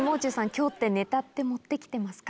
今日ってネタって持って来てますか？